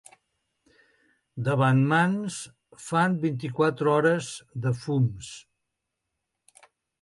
Davant Mans fan vint-i-quatre hores de fums.